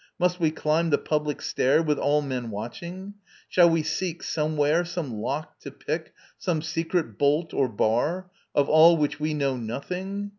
Must we climb the public stair, With all men watching? Shall we seek somewhere Some lock to pick, some secret bolt or bar Of all which we know nothing?